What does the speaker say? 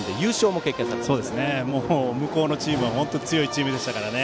もう、向こうのチームは本当に強いチームだったので。